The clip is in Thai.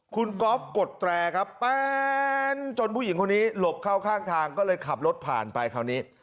คุณก๊อฟกดแตรครับแป๊นจนผู้หญิงคนนี้หลบเข้าข้างทางก็เลยขับรถผ่านไปคราวนี้